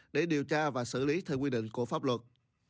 để điều tra và xử lý theo quy định của pháp luật